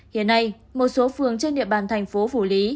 hiện nay một số phường trên địa bàn thành phố phủ lý